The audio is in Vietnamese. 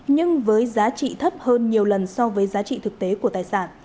nhưng với giá trị thấp hơn nhiều lần so với giá trị thực tế của tài sản